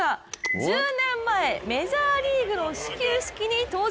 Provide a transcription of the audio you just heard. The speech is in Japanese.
１０年前、メジャーリーグの始球式に登場。